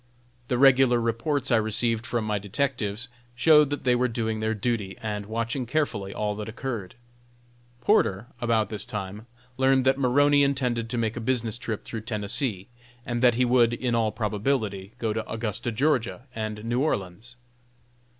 The regular reports I received from my detectives showed that they were doing their duty and watching carefully all that occurred. Porter, about this time, learned that Maroney intended to make a business trip through Tennessee, and that he would, in all probability, go to Augusta, Ga., and New Orleans.